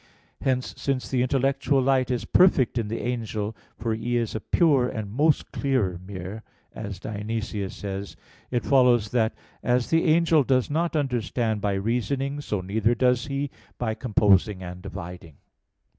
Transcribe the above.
3). Hence, since the intellectual light is perfect in the angel, for he is a pure and most clear mirror, as Dionysius says (Div. Nom. iv), it follows that as the angel does not understand by reasoning, so neither does he by composing and dividing.